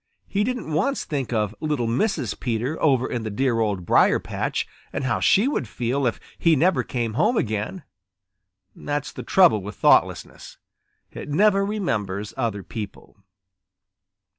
He didn't once think of little Mrs. Peter over in the dear Old Briar patch and how she would feel if he never came home again. That's the trouble with thoughtlessness; it never remembers other people.